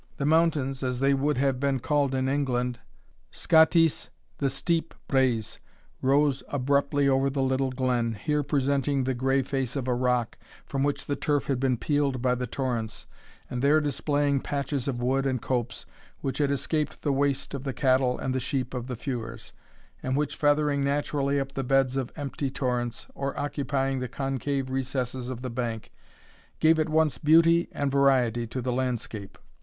The mountains, as they would have been called in England, Scottice the steep braes, rose abruptly over the little glen, here presenting the gray face of a rock, from which the turf had been peeled by the torrents, and there displaying patches of wood and copse, which had escaped the waste of the cattle and the sheep of the feuars, and which, feathering naturally up the beds of empty torrents, or occupying the concave recesses of the bank, gave at once beauty and variety to the landscape.